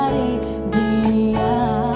lebih dari dia